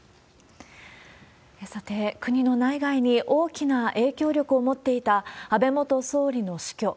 さて、国の内外に大きな影響力を持っていた安倍元総理の死去。